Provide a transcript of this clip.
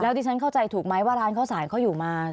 ดิฉันเข้าใจถูกไหมว่าร้านข้าวสารเขาอยู่มา